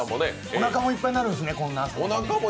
おなかもいっぱいになるんですね。